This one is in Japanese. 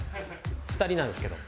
２人なんですけど。